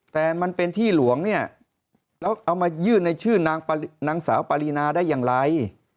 แต่มันเป็นที่หลวงเนี่ยแล้วเอามายื่นในชื่อนางสาวปารีนาได้อย่างไร